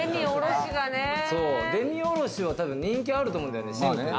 デミおろしは人気あると思うんだよね。